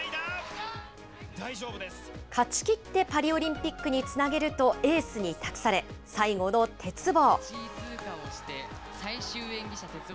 勝ちきってパリオリンピックにつなげると、エースに託され、最後の鉄棒。